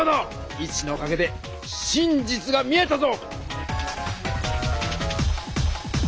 イチのおかげで真実が見えたぞ！